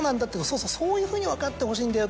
そうそうそういうふうに分かってほしいんだよ」